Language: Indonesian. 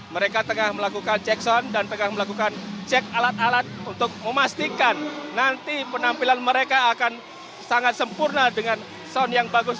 mereka tengah melakukan cek sound dan pegang melakukan cek alat alat untuk memastikan nanti penampilan mereka akan sangat sempurna dengan sound yang bagus